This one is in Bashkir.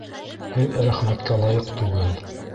Һеҙ рәхмәткә лайыҡ түгел